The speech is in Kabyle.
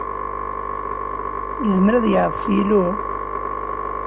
Yezmer ad yeɛḍes yilu?